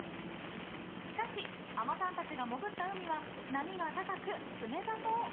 しかし、海女さんたちが潜った海は波が高く、冷たそう。